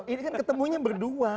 ini kan ketemunya berdua